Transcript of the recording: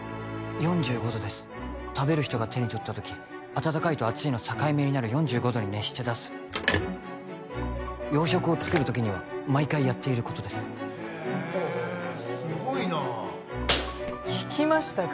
４５度です食べる人が手に取った時温かいと熱いの境目になる４５度に熱して出す洋食を作る時には毎回やっていることです・へすごいな・ほ聞きましたか？